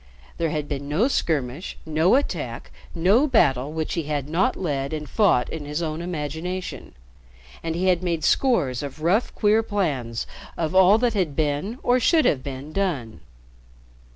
There had been no skirmish, no attack, no battle which he had not led and fought in his own imagination, and he had made scores of rough queer plans of all that had been or should have been done.